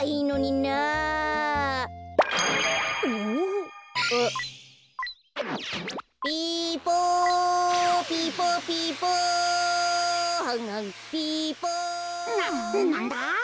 ななんだ？